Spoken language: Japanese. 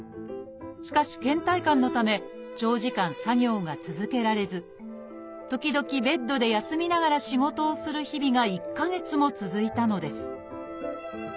しかしけん怠感のため長時間作業が続けられず時々ベッドで休みながら仕事をする日々が１か月も続いたのです。